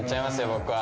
僕は。